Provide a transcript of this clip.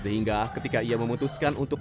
sehingga ketika ia memutuskan untuk